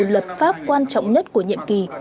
lập pháp quan trọng nhất của nhiệm kỳ